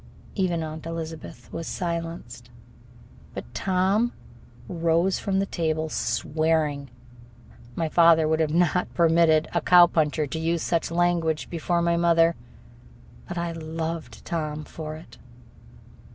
Even Aunt Elizabeth was silenced. But Tom rose from the table, swearing. My father would not have permitted a cowpuncher to use such language before my mother. But I loved Tom for it.